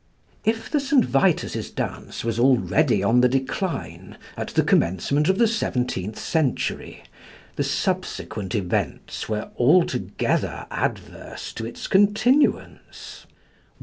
If the St. Vitus's dance was already on the decline at the commencement of the seventeenth century, the subsequent events were altogether adverse to its continuance.